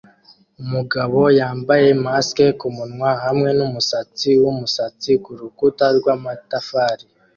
Umugabo yambara mask kumunwa hamwe numusatsi wumusatsi kurukuta rwamatafari